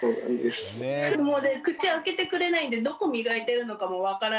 もうね口開けてくれないんでどこ磨いてるのかも分からないし。